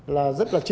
là rất là chú ý